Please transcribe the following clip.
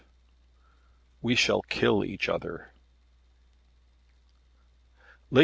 "WE SHALL KILL EACH OTHER."